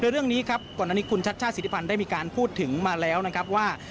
เรื่องเรื่องคุณชัดชาติศิลปันได้มีการพูดถึงมาแล้ว